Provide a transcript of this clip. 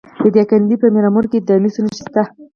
د دایکنډي په میرامور کې د مسو نښې شته.